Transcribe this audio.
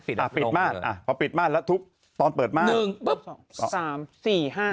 อ่ะปิดม่านอ่ะพอปิดม่านแล้วทุบตอนเปิดม่านหนึ่งปุ๊บสองสามสี่ห้า